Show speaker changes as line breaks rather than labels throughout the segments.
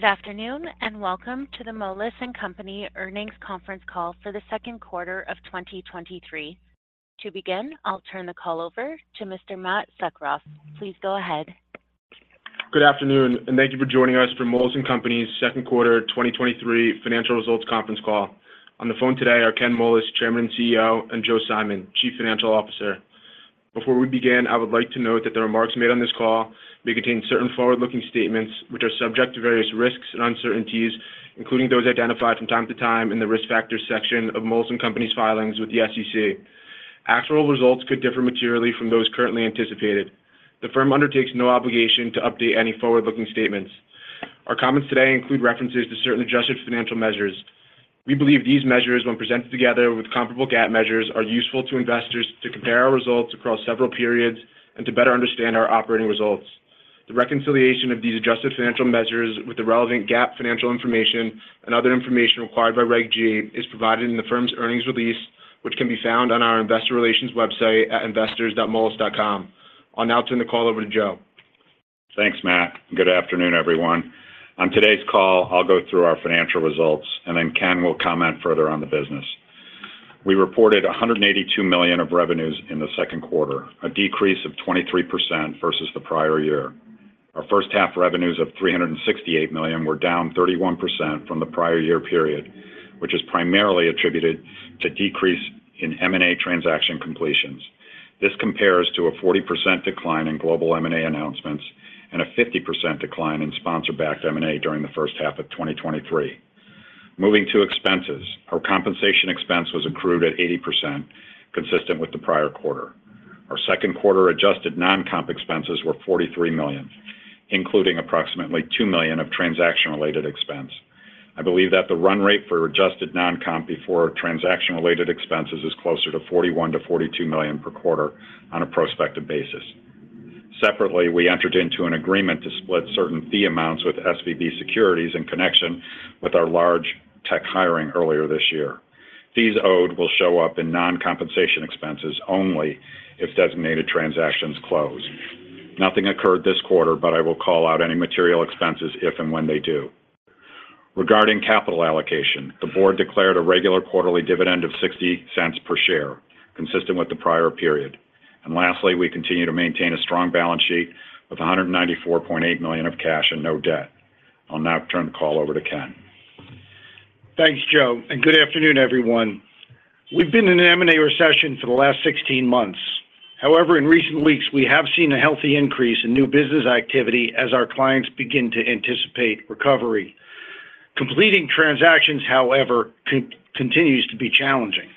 Good afternoon. Welcome to the Moelis & Company Earnings Conference Call for the second quarter of 2023. To begin, I'll turn the call over to Mr. Matt Tsukroff. Please go ahead.
Good afternoon, and thank you for joining us for Moelis & Company's second quarter 2023 financial results conference call. On the phone today are Ken Moelis, Chairman and CEO, and Joseph Simon, Chief Financial Officer. Before we begin, I would like to note that the remarks made on this call may contain certain forward-looking statements which are subject to various risks and uncertainties, including those identified from time to time in the Risk Factors section of Moelis & Company's filings with the SEC. Actual results could differ materially from those currently anticipated. The firm undertakes no obligation to update any forward-looking statements. Our comments today include references to certain adjusted financial measures. We believe these measures, when presented together with comparable GAAP measures, are useful to investors to compare our results across several periods and to better understand our operating results. The reconciliation of these adjusted financial measures with the relevant GAAP financial information and other information required by Regulation G is provided in the firm's earnings release, which can be found on our investor relations website at investors.moelis.com. I'll now turn the call over to Joseph.
Thanks, Matt. Good afternoon, everyone. On today's call, I'll go through our financial results. Ken will comment further on the business. We reported $182 million of revenues in the second quarter, a decrease of 23% versus the prior year. Our first half revenues of $368 million were down 31% from the prior year period, which is primarily attributed to decrease in M&A transaction completions. This compares to a 40% decline in global M&A announcements and a 50% decline in sponsor-backed M&A during the first half of 2023. Moving to expenses, our compensation expense was accrued at 80%, consistent with the prior quarter. Our second quarter adjusted non-comp expenses were $43 million, including approximately $2 million of transaction-related expense. I believe that the run rate for adjusted non-comp before transaction-related expenses is closer to $41 million-$42 million per quarter on a prospective basis. Separately, we entered into an agreement to split certain fee amounts with SVB Securities in connection with our large tech hiring earlier this year. Fees owed will show up in non-compensation expenses only if designated transactions close. Nothing occurred this quarter. I will call out any material expenses if and when they do. Regarding capital allocation, the board declared a regular quarterly dividend of $0.60 per share, consistent with the prior period. Lastly, we continue to maintain a strong balance sheet with $194.8 million of cash and no debt. I'll now turn the call over to Ken.
Thanks, Joseph, and good afternoon, everyone. We've been in an M&A recession for the last 16 months. However, in recent weeks, we have seen a healthy increase in new business activity as our clients begin to anticipate recovery. Completing transactions, however, continues to be challenging.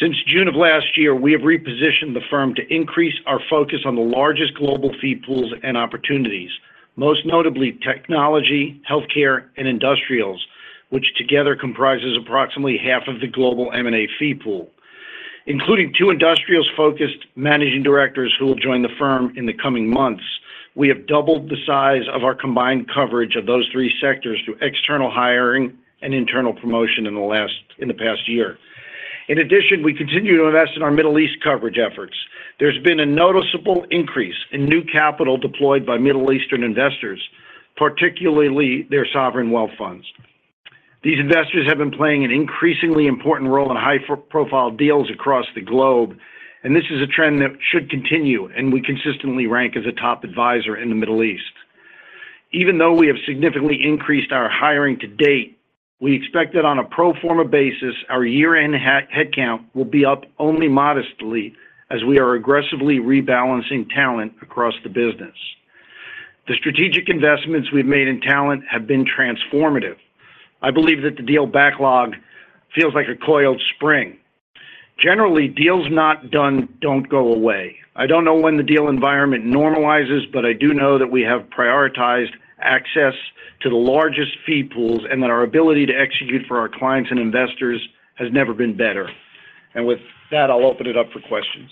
Since June of last year, we have repositioned the firm to increase our focus on the largest global fee pools and opportunities, most notably technology, healthcare, and industrials, which together comprises approximately half of the global M&A fee pool. Including two industrials-focused managing directors who will join the firm in the coming months, we have doubled the size of our combined coverage of those three sectors through external hiring and internal promotion in the past year. In addition, we continue to invest in our Middle East coverage efforts. There's been a noticeable increase in new capital deployed by Middle Eastern investors, particularly their sovereign wealth funds. These investors have been playing an increasingly important role in high profile deals across the globe. This is a trend that should continue. We consistently rank as a top advisor in the Middle East. Even though we have significantly increased our hiring to date, we expect that on a pro forma basis, our year-end headcount will be up only modestly as we are aggressively rebalancing talent across the business. The strategic investments we've made in talent have been transformative. I believe that the deal backlog feels like a coiled spring. Generally, deals not done don't go away. I don't know when the deal environment normalizes, but I do know that we have prioritized access to the largest fee pools and that our ability to execute for our clients and investors has never been better. With that, I'll open it up for questions.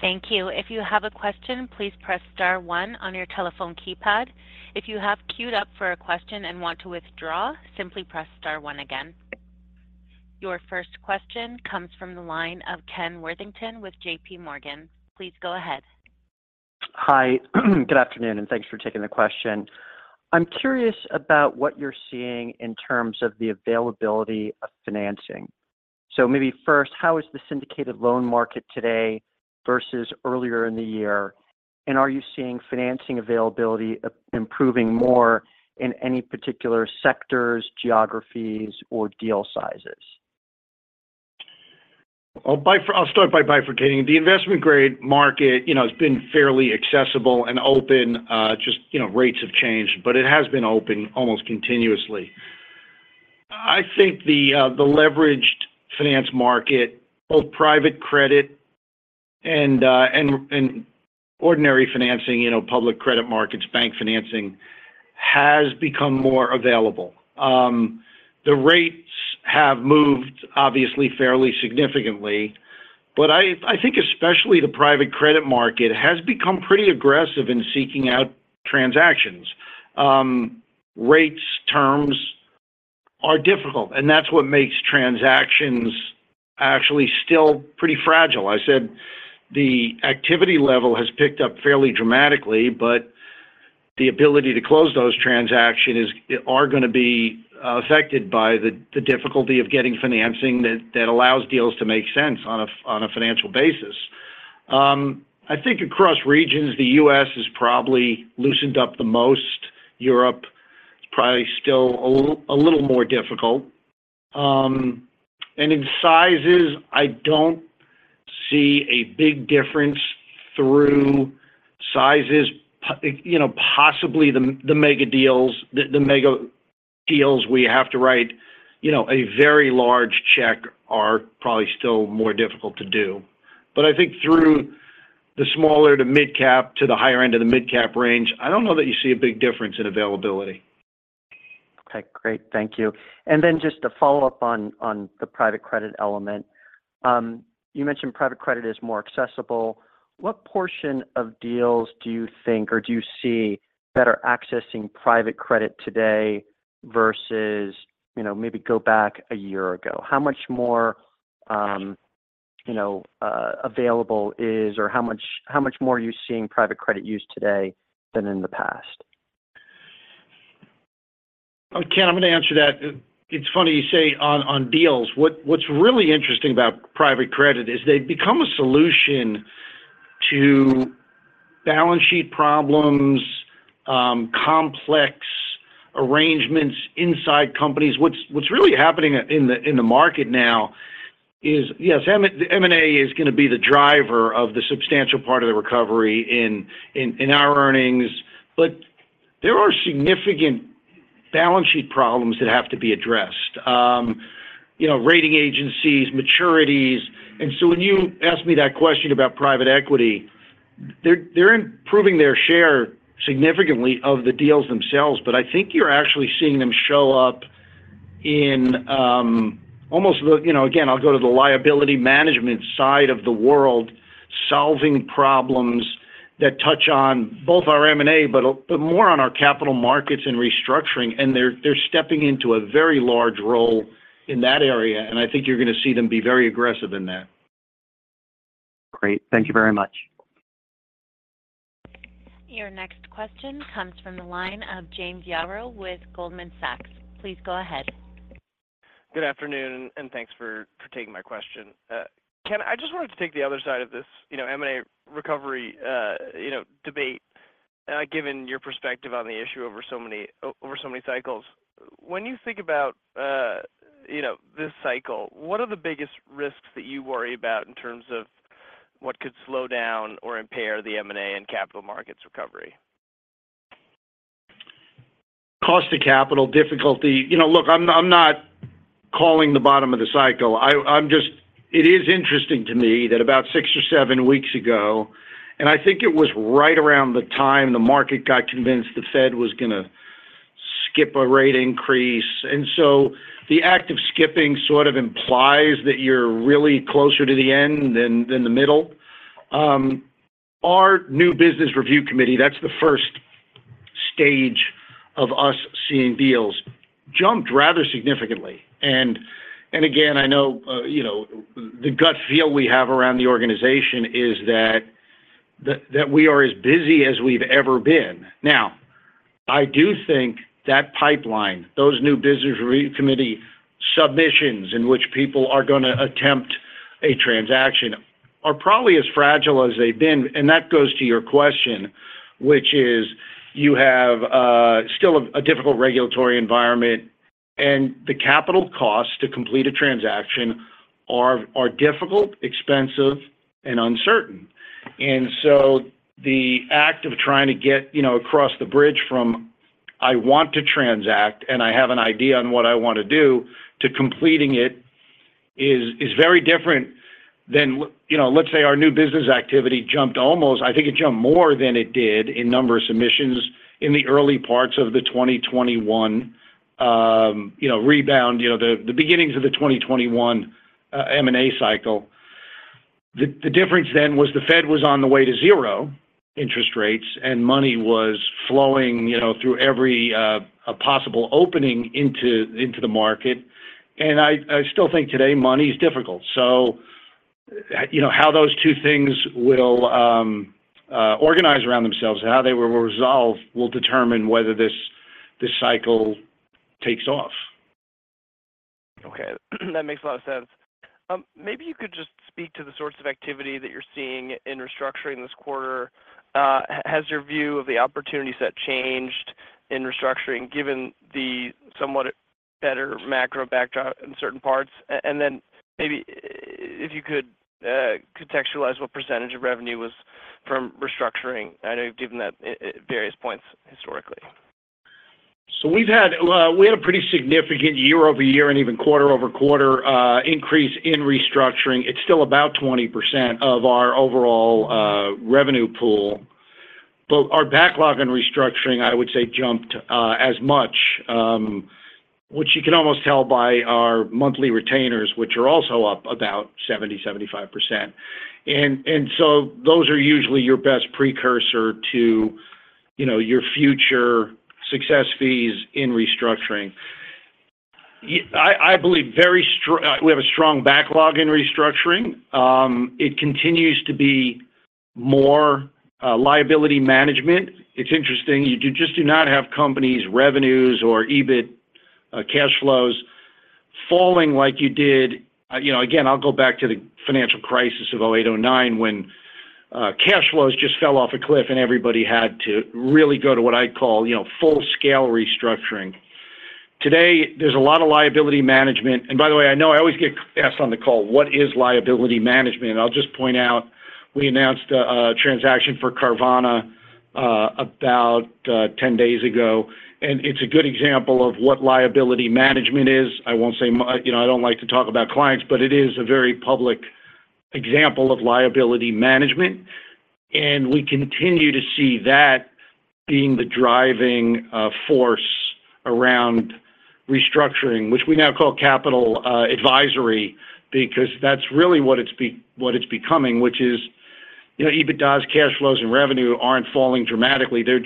Thank you. If you have a question, please press star one on your telephone keypad. If you have queued up for a question and want to withdraw, simply press star one again. Your first question comes from the line of Ken Worthington with JPMorgan. Please go ahead.
Hi. Good afternoon, and thanks for taking the question. I'm curious about what you're seeing in terms of the availability of financing. Maybe first, how is the syndicated loan market today versus earlier in the year? Are you seeing financing availability improving more in any particular sectors, geographies, or deal sizes?
I'll start by bifurcating. The investment grade market, you know, has been fairly accessible and open, just, you know, rates have changed, but it has been open almost continuously. I think the leveraged finance market, both private credit and ordinary financing, you know, public credit markets, bank financing, has become more available. The rates have moved, obviously, fairly significantly, but I think especially the private credit market, has become pretty aggressive in seeking out transactions. Rates, terms are difficult, and that's what makes transactions actually still pretty fragile. I said the activity level has picked up fairly dramatically, but the ability to close those transactions are going to be affected by the difficulty of getting financing that allows deals to make sense on a financial basis. I think across regions, the U.S. has probably loosened up the most. Europe is probably still a little more difficult. In sizes, I don't see a big difference through sizes. You know, possibly the mega deals, the mega deals we have to write, you know, a very large check are probably still more difficult to do. I think through the smaller to mid-cap, to the higher end of the mid-cap range, I don't know that you see a big difference in availability.
Okay, great. Thank you. Just to follow up on the private credit element. You mentioned private credit is more accessible. What portion of deals do you think, or do you see that are accessing private credit today versus, you know, maybe go back a year ago? How much more, you know, available is or how much more are you seeing private credit used today than in the past?
Ken, I'm going to answer that. It's funny you say on deals. What's really interesting about private credit is they've become a solution to balance sheet problems, complex arrangements inside companies. What's really happening in the market now is, yes, M&A is going to be the driver of the substantial part of the recovery in our earnings, but there are significant balance sheet problems that have to be addressed, you know, rating agencies, maturities. When you ask me that question about private equity, they're improving their share significantly of the deals themselves, but I think you're actually seeing them show up in almost the. You know, again, I'll go to the liability management side of the world, solving problems that touch on both our M&A, but more on our capital markets and restructuring, and they're stepping into a very large role in that area, and I think you're going to see them be very aggressive in that.
Great. Thank you very much.
Your next question comes from the line of James Yaro with Goldman Sachs. Please go ahead.
Good afternoon. Thanks for taking my question. Ken, I just wanted to take the other side of this, you know, M&A recovery, you know, debate, given your perspective on the issue over so many cycles. When you think about, you know, this cycle, what are the biggest risks that you worry about in terms of what could slow down or impair the M&A and capital markets recovery?
Cost of capital, difficulty. You know, look, I'm not, I'm not calling the bottom of the cycle. I'm just, it is interesting to me that about six or seven weeks ago, I think it was right around the time the market got convinced the Federal Reserve was going to skip a rate increase. The act of skipping sort of implies that you're really closer to the end than the middle. Our new business review committee, that's the first stage of us seeing deals, jumped rather significantly. Again, I know, you know, the gut feel we have around the organization is that we are as busy as we've ever been. Now, I do think that pipeline, those new business review committee submissions in which people are going to attempt a transaction, are probably as fragile as they've been. That goes to your question, which is, you have still a difficult regulatory environment, and the capital costs to complete a transaction are difficult, expensive, and uncertain. The act of trying to get, you know, across the bridge from I want to transact, and I have an idea on what I want to do, to completing it, is very different than you know, let's say our new business activity jumped almost. I think it jumped more than it did in number of submissions in the early parts of the 2021, you know, rebound, the beginnings of the 2021 M&A cycle. The difference then was the Fed was on the way to zero interest rates, and money was flowing, you know, through every possible opening into the market. I still think today, money is difficult. You know, how those two things will organize around themselves and how they will resolve will determine whether this cycle takes off.
Okay, that makes a lot of sense. Maybe you could just speak to the source of activity that you're seeing in restructuring this quarter. Has your view of the opportunity set changed in restructuring, given the somewhat better macro backdrop in certain parts? Then maybe if you could contextualize what percentage of revenue was from restructuring. I know you've given that at various points historically.
We've had, we had a pretty significant year-over-year and even quarter-over-quarter increase in restructuring. It's still about 20% of our overall revenue pool. Our backlog in restructuring, I would say, jumped as much, which you can almost tell by our monthly retainers, which are also up about 70%-75%. Those are usually your best precursor to you know, your future success fees in restructuring? We have a strong backlog in restructuring. It continues to be more Liability Management. It's interesting, you do not have companies' revenues or EBIT cash flows falling like you did. You know, again, I'll go back to the financial crisis of 2008, 2009, when cash flows just fell off a cliff, and everybody had to really go to what I'd call, you know, full-scale restructuring. Today, there's a lot of liability management. By the way, I know I always get asked on the call: What is liability management? I'll just point out, we announced a transaction for Carvana, about 10 days ago, and it's a good example of what liability management is. I won't say you know, I don't like to talk about clients, but it is a very public example of liability management, and we continue to see that being the driving force around restructuring, which we now call capital advisory, because that's really what it's what it's becoming, which is, you know, EBITDAs, cash flows, and revenue aren't falling dramatically. They're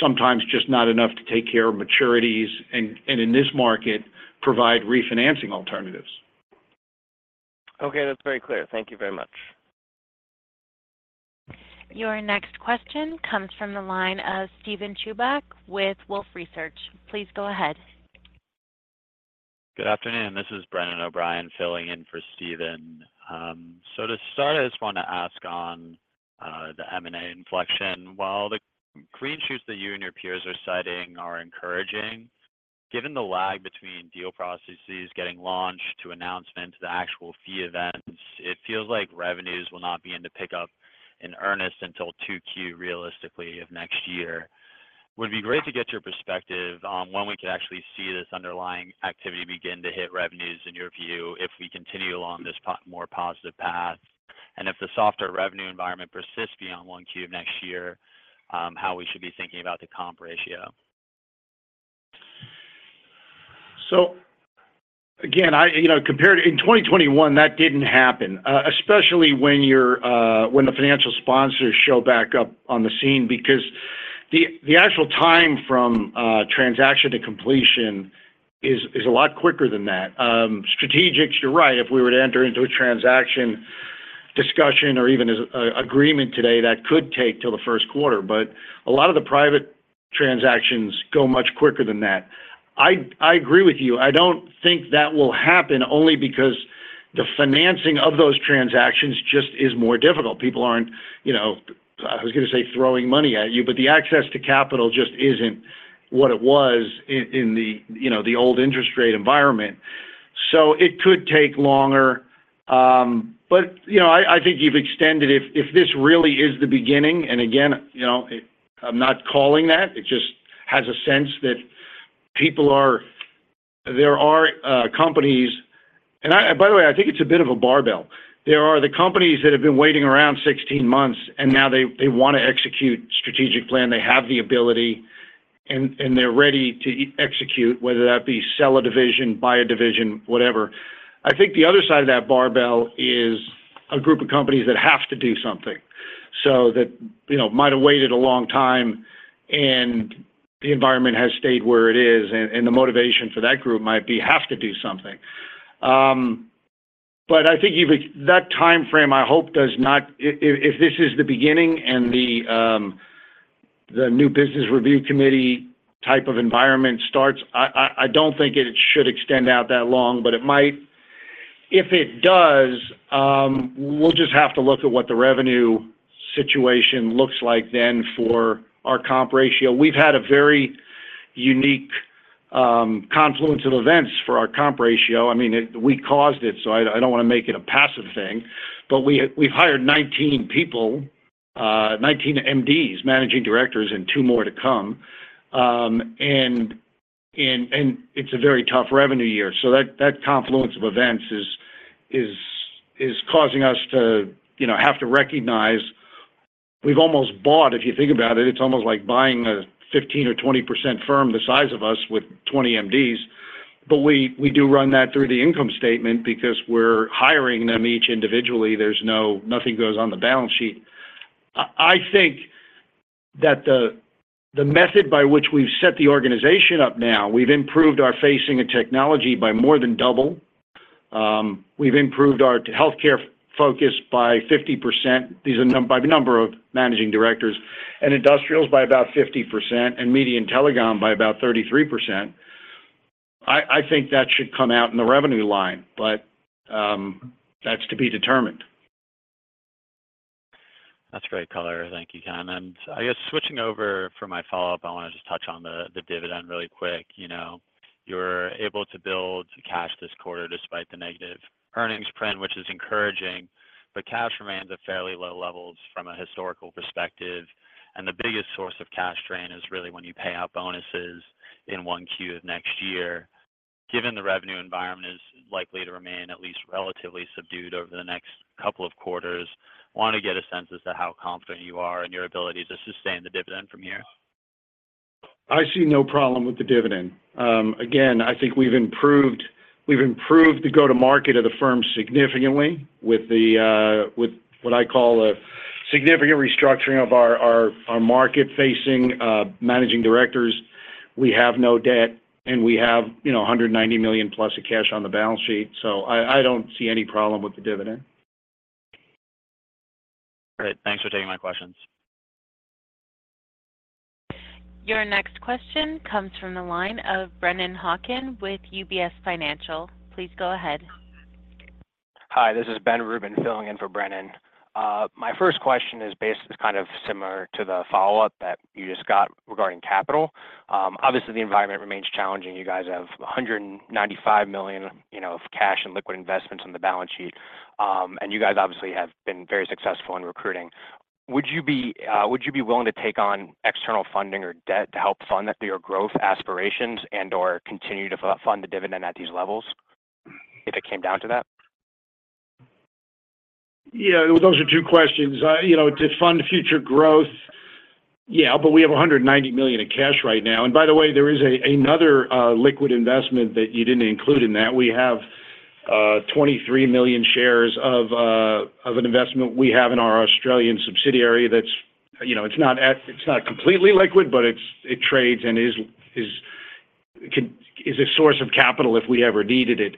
sometimes just not enough to take care of maturities and in this market, provide refinancing alternatives.
That's very clear. Thank you very much.
Your next question comes from the line of Steven Chubak with Wolfe Research. Please go ahead.
Good afternoon. This is Brendan O'Brien filling in for Steven. To start, I just want to ask on the M&A inflection. While the green shoots that you and your peers are citing are encouraging, given the lag between deal processes getting launched to announcement to the actual fee events, it feels like revenues will not begin to pick up in earnest until 2Q, realistically, of next year. Would it be great to get your perspective on when we could actually see this underlying activity begin to hit revenues, in your view, if we continue along this more positive path? If the softer revenue environment persists beyond 1Q of next year, how we should be thinking about the comp ratio?
Again, I, you know, compared in 2021, that didn't happen, especially when you're, when the financial sponsors show back up on the scene, because the actual time from transaction to completion is a lot quicker than that. Strategics, you're right. If we were to enter into a transaction discussion or even as a agreement today, that could take till the first quarter, but a lot of the private transactions go much quicker than that. I agree with you. I don't think that will happen, only because the financing of those transactions just is more difficult. People aren't, you know, I was going to say throwing money at you, but the access to capital just isn't what it was in the, you know, the old interest rate environment. It could take longer. You know, I think you've extended if this really is the beginning, and again, you know, I'm not calling that, it just has a sense that there are companies. I, by the way, I think it's a bit of a barbell. There are the companies that have been waiting around 16 months, and now they want to execute strategic plan. They have the ability, and they're ready to execute, whether that be sell a division, buy a division, whatever. I think the other side of that barbell is a group of companies that have to do something. That, you know, might have waited a long time. The environment has stayed where it is. The motivation for that group might be, "Have to do something." I think even that time frame, I hope does not. If this is the beginning and the new business review committee type of environment starts, I don't think it should extend out that long, but it might. If it does, we'll just have to look at what the revenue situation looks like then for our comp ratio. We've had a very unique confluence of events for our comp ratio. I mean, we caused it, I don't want to make it a passive thing, but we've hired 19 people, 19 MDs, managing directors, and two more to come. It's a very tough revenue year. That confluence of events is causing us to, you know, have to recognize we've almost bought. If you think about it's almost like buying a 15% or 20% firm the size of us with 20 MDs. But we do run that through the income statement because we're hiring them each individually. There's nothing goes on the balance sheet. I think that the method by which we've set the organization up now, we've improved our facing and technology by more than double. We've improved our healthcare focus by 50%. These are by number of managing directors, and industrials by about 50%, and media and telecom by about 33%. I think that should come out in the revenue line, but that's to be determined.
That's great color. Thank you, Ken. I guess switching over for my follow-up, I want to just touch on the dividend really quick. You know, you're able to build cash this quarter despite the negative earnings trend, which is encouraging, but cash remains at fairly low levels from a historical perspective, and the biggest source of cash drain is really when you pay out bonuses in 1Q of next year. Given the revenue environment is likely to remain at least relatively subdued over the next couple of quarters, want to get a sense as to how confident you are in your ability to sustain the dividend from here?
I see no problem with the dividend. Again, I think we've improved the go-to-market of the firm significantly with what I call a significant restructuring of our market-facing managing directors. We have no debt, and we have, you know, $190 million plus of cash on the balance sheet. I don't see any problem with the dividend.
Great. Thanks for taking my questions.
Your next question comes from the line of Brennan Hawken with UBS Financial. Please go ahead.
Hi, this is Ben Rubin filling in for Brennan. My first question is basically kind of similar to the follow-up that you just got regarding capital. Obviously, the environment remains challenging. You guys have $195 million, you know, of cash and liquid investments on the balance sheet. You guys obviously have been very successful in recruiting. Would you be willing to take on external funding or debt to help fund your growth aspirations and/or continue to fund the dividend at these levels, if it came down to that?
Yeah, those are two questions. You know, to fund future growth, yeah, we have $190 million in cash right now. By the way, there is another liquid investment that you didn't include in that. We have 23 million shares of an investment we have in our Moelis Australia that's, you know, it's not completely liquid, but it's, it trades and is a source of capital if we ever needed it.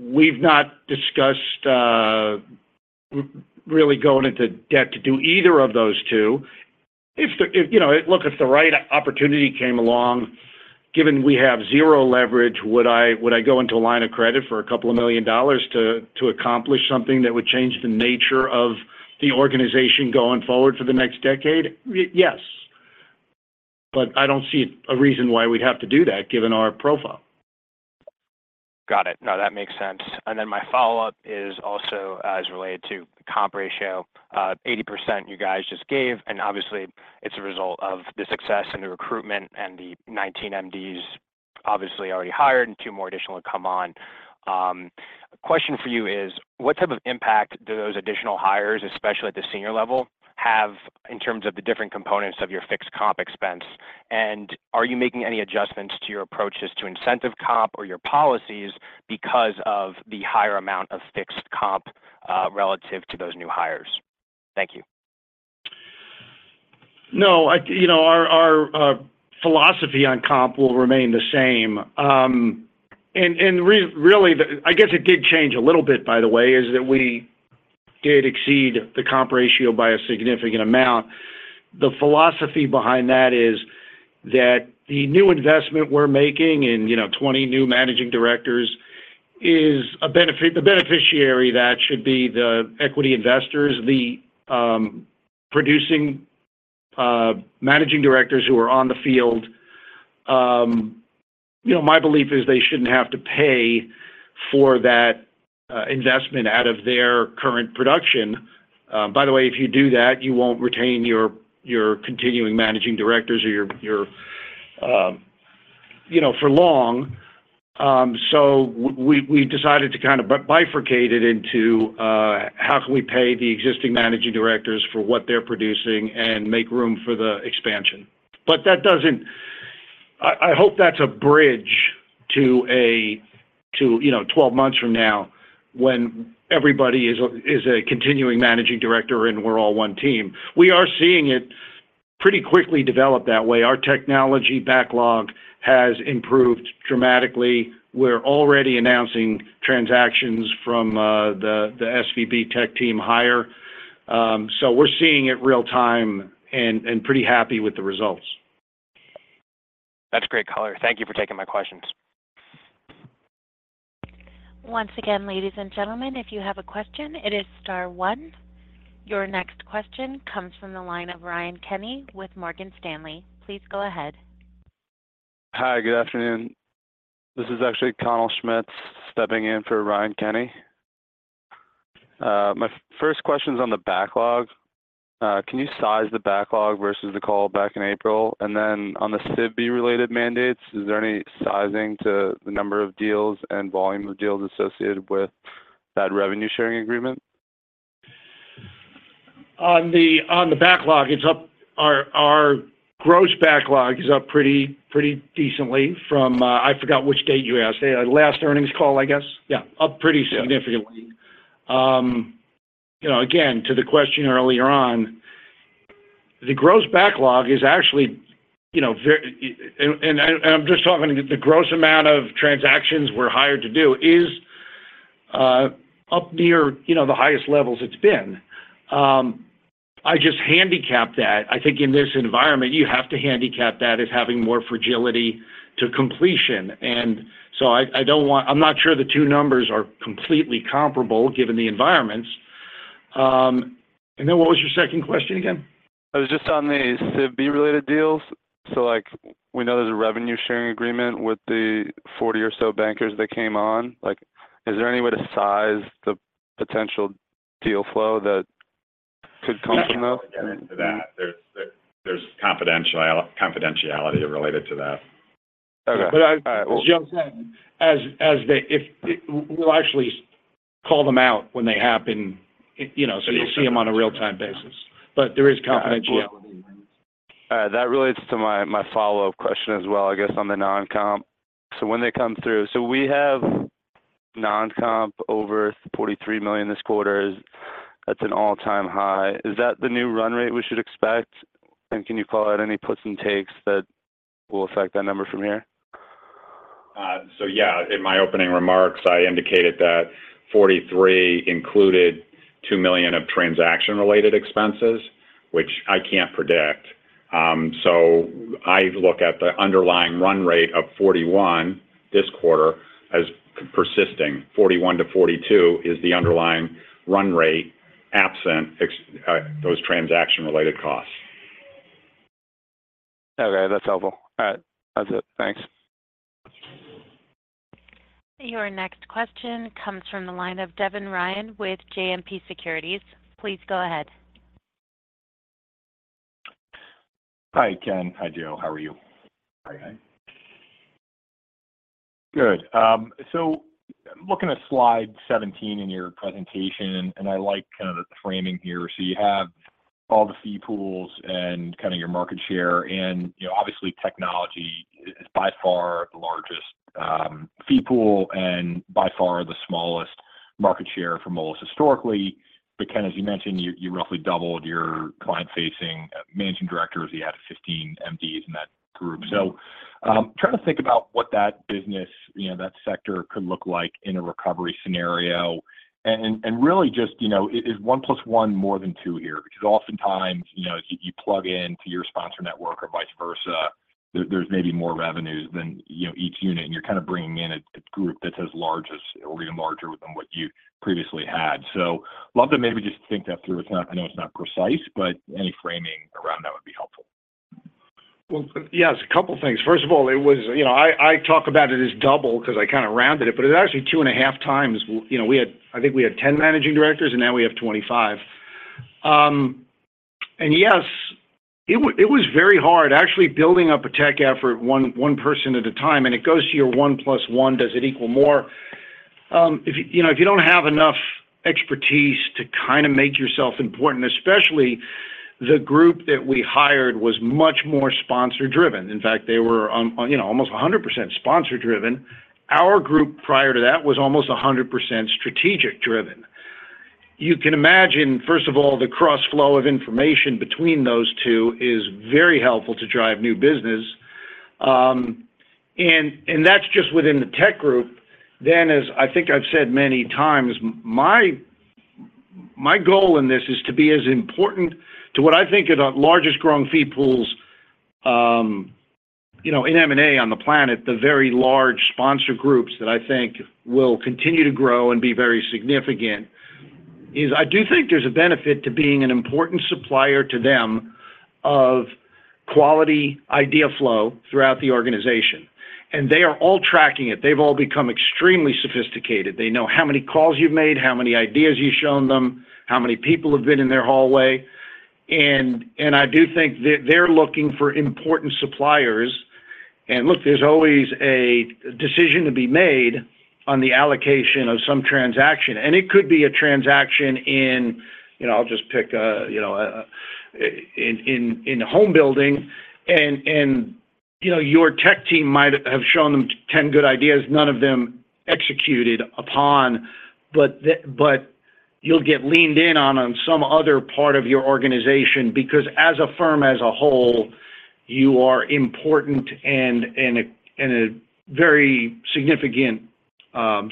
We've not discussed really going into debt to do either of those two. If, you know. Look, if the right opportunity came along, given we have zero leverage, would I go into a line of credit for a couple of million dollars to accomplish something that would change the nature of the organization going forward for the next decade? Yes, I don't see a reason why we'd have to do that, given our profile.
Got it. No, that makes sense. My follow-up is also, is related to comp ratio. 80%, you guys just gave, and obviously, it's a result of the success and the recruitment and the 19 MDs obviously already hired, and two more additional to come on. Question for you is, what type of impact do those additional hires, especially at the senior level, have in terms of the different components of your fixed comp expense? Are you making any adjustments to your approaches to incentive comp or your policies because of the higher amount of fixed comp, relative to those new hires? Thank you.
No, I, you know, our philosophy on comp will remain the same. Really, the, I guess it did change a little bit, by the way, is that we did exceed the comp ratio by a significant amount. The philosophy behind that is that the new investment we're making in, you know, 20 new managing directors is a benefit, the beneficiary that should be the equity investors, the producing managing directors who are on the field. You know, my belief is they shouldn't have to pay for that investment out of their current production. By the way, if you do that, you won't retain your continuing managing directors or your, you know, for long. We decided to kind of bifurcate it into how can we pay the existing managing directors for what they're producing and make room for the expansion. I hope that's a bridge to, you know, 12 months from now, when everybody is a continuing managing director and we're all one team. We are seeing it pretty quickly develop that way. Our technology backlog has improved dramatically. We're already announcing transactions from the SVB tech team hire. We're seeing it real time and pretty happy with the results.
That's great color. Thank you for taking my questions.
Once again, ladies and gentlemen, if you have a question, it is star one. Your next question comes from the line of Ryan Kenny with Morgan Stanley. Please go ahead.
Hi, good afternoon. This is actually Connell Schmitz stepping in for Ryan Kenny. My first question is on the backlog. Can you size the backlog versus the call back in April? On the SVB-related mandates, is there any sizing to the number of deals and volume of deals associated with that revenue sharing agreement?
On the backlog, our gross backlog is up pretty decently from I forgot which date you asked. Last earnings call, I guess? Yeah, up pretty significantly.
Yeah.
You know, again, to the question earlier on, the gross backlog is actually, you know, and I'm just talking, the gross amount of transactions we're hired to do is up near, you know, the highest levels it's been. I just handicapped that. I think in this environment, you have to handicap that as having more fragility to completion, and so I'm not sure the two numbers are completely comparable, given the environments. What was your second question again?
It was just on the SVB-related deals. Like, we know there's a revenue sharing agreement with the 40 or so bankers that came on. Like, is there any way to size the potential deal flow that could come from those?
I can't get into that. There's confidentiality related to that.
Okay, as Joseph said, as they, we'll actually call them out when they happen, you know, so you'll see them on a real-time basis. There is confidentiality.
That relates to my follow-up question as well, I guess, on the non-comp. We have non-comp over $43 million this quarter. That's an all-time high. Is that the new run rate we should expect? Can you call out any puts and takes that will affect that number from here?
Yeah, in my opening remarks, I indicated that 43 included $2 million of transaction-related expenses, which I can't predict. I look at the underlying run rate of 41 this quarter as persisting. 41-42 is the underlying run rate, absent those transaction-related costs.
Okay, that's helpful. All right, that's it. Thanks.
Your next question comes from the line of Devin Ryan with JMP Securities. Please go ahead.
Hi, Ken. Hi, Joseph. How are you?
Hi.
Good. Looking at slide 17 in your presentation, I like kind of the framing here. You have all the fee pools and kind of your market share, and, you know, obviously, technology is by far the largest fee pool and by far the smallest market share for Moelis historically. Ken, as you mentioned, you roughly doubled your client-facing managing directors. You added 15 MDs in that group. Trying to think about what that business, you know, that sector could look like in a recovery scenario. Really just, you know, is one plus one more than two here? Oftentimes, you know, you plug in to your sponsor network or vice versa, there's maybe more revenues than, you know, each unit, and you're kind of bringing in a group that's as large as or even larger than what you previously had. Love to maybe just think that through. It's not. I know it's not precise, but any framing around that would be helpful.
Yes, a couple things. First of all, it was. You know, I talk about it as double because I kind of rounded it, but it was actually 2.5 times. You know, we had I think we had 10 managing directors, and now we have 25. And yes, it was very hard actually building up a tech effort one person at a time, and it goes to your one plus one, does it equal more? If, you know, if you don't have enough expertise to kind of make yourself important, especially the group that we hired was much more sponsor-driven. They were, you know, almost 100% sponsor-driven. Our group, prior to that, was almost 100% strategic-driven. You can imagine, first of all, the cross-flow of information between those two is very helpful to drive new business. That's just within the tech group. As I think I've said many times, my goal in this is to be as important to what I think are the largest growing fee pools, you know, in M&A on the planet, the very large sponsor groups that I think will continue to grow and be very significant, is I do think there's a benefit to being an important supplier to them of quality idea flow throughout the organization. They are all tracking it. They've all become extremely sophisticated. They know how many calls you've made, how many ideas you've shown them, how many people have been in their hallway, and I do think that they're looking for important suppliers. Look, there's always a decision to be made on the allocation of some transaction, and it could be a transaction in, you know, I'll just pick, you know, in home building. You know, your tech team might have shown them 10 good ideas, none of them executed upon. You'll get leaned in on some other part of your organization, because as a firm, as a whole, you are important and a very significant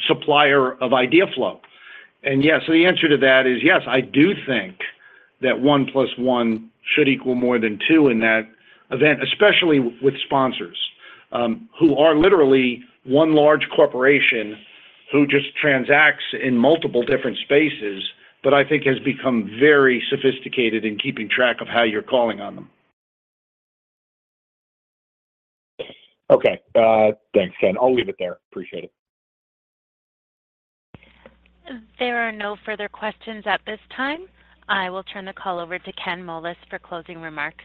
supplier of idea flow. The answer to that is yes, I do think that 1 plus 1 should equal more than 2 in that event, especially with sponsors, who are literally one large corporation who just transacts in multiple different spaces, but I think has become very sophisticated in keeping track of how you're calling on them.
Okay. Thanks, Ken. I'll leave it there. Appreciate it.
There are no further questions at this time. I will turn the call over to Ken Moelis for closing remarks.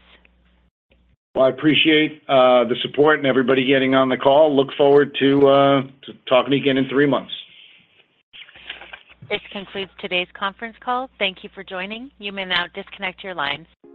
Well, I appreciate the support and everybody getting on the call. Look forward to talking again in three months.
This concludes today's conference call. Thank you for joining. You may now disconnect your lines.